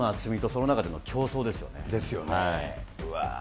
その中でも競ですよね。